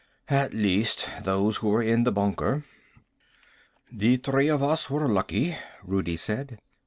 At least, those who were in the bunker." "The three of us were lucky," Rudi said.